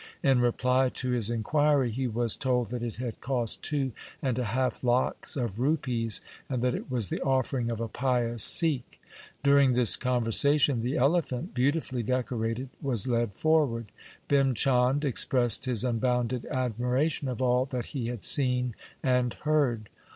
In reply to his inquiry he was told that it had cost two and a half lakhs of rupees, and that it was the offering of a pious Sikh. During this conversation the elephant, beautifully decorated, was led forward. Bhim Chand expressed his un bounded admiration of all that he had seen and heard.